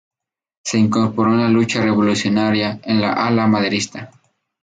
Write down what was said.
Se incorporó en la lucha revolucionaria en el ala maderista.